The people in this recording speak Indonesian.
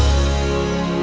aku mau buktikan